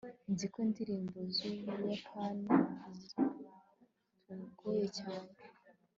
nzi ko indirimbo z'ubuyapani zitugoye cyane